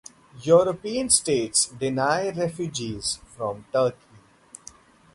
European states deny refugees from Turkey.